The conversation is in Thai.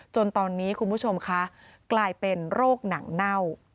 จนตอนนี้คุณผู้ชมคะกลายเป็นโรคหนังเน่า